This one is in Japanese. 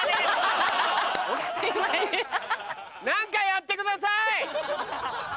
何かやってください！